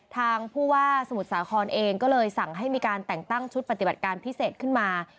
ทางผู้ว่าสมุทรสาครเองก็เลยสั่งให้มีการแต่งตั้งชุดปฏิบัติการพิเศษขึ้นมา